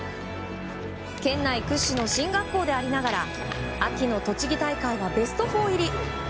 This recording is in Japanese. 県内屈指の進学校でありながら秋の栃木大会はベスト４入り。